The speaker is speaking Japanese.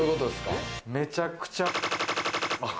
めちゃくちゃ。